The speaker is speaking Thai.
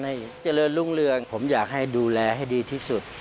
เจริญรุ่งเรืองผมอยากให้ดูแลให้ดีที่สุด